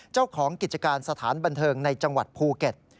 เจ้าของกิจการสถานบันเทิงในจังหวัดภูเก็ต